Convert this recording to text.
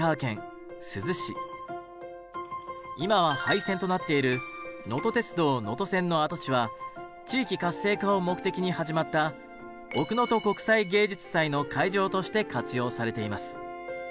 今は廃線となっているのと鉄道能登線の跡地は地域活性化を目的に始まった奥能登国際芸術祭の会場として活用されています。